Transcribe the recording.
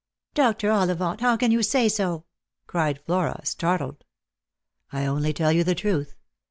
" Dr. Ollivant, how can you say so !" cried Flora, startled. " I only tell you the truth.